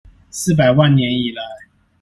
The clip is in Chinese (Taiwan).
四百萬年以來